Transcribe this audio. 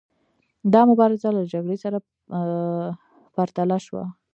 دا مبارزه له جګړې سره پرتله شوه.